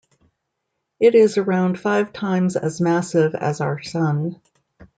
It is around five times as massive as our Sun.